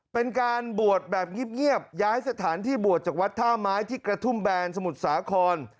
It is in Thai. เป็นการบวชแบบเงียบย้ายสถานที่บวชจากวัดท่าไม้ที่กระทุ่มแบนสมุทรสาคร